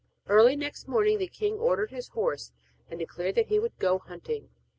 Early next morning the king ordered his horse and declared that he would go hunting.